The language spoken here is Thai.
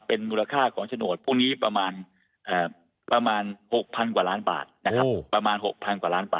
เป็นมูลค่าของฉนดพรุ่งนี้ประมาณ๖๐๐๐กว่าล้านบาทนะครับ